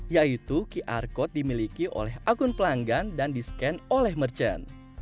yaitu qr code dimiliki oleh akun pelanggan dan di scan oleh merchant